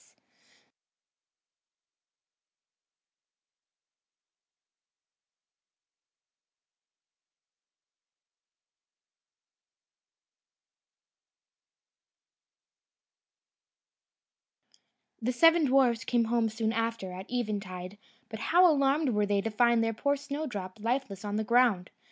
The seven dwarfs came home soon after, at eventide, but how alarmed were they to find their poor Snowdrop lifeless on the ground!